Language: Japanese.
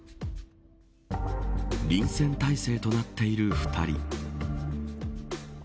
臨戦態勢となっている２人。